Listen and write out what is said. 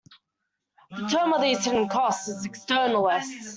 The term for these hidden costs is "Externalities".